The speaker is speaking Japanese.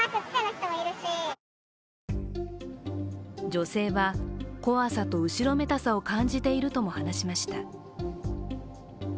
女性は、怖さと後ろめたさを感じているとも話しました。